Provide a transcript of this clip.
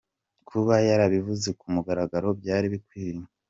"Kuba yarabivuze ku mugaragaro byari bikwiye.